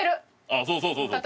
ああそうそうそうそう。